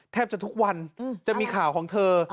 แทบจะทุกวันจะมีข่าวของเธอ